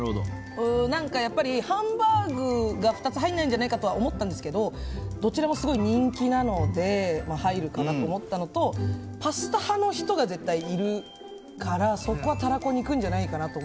やっぱりハンバーグが２つ入らないんじゃないかとは思ったんですけどどちらもすごい人気なので入るかなと思ったのとパスタ派の人が絶対いるからそこは、たらこに行くんじゃないかと。